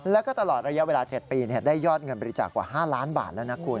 แล้วก็ตลอดระยะเวลา๗ปีได้ยอดเงินบริจาคกว่า๕ล้านบาทแล้วนะคุณ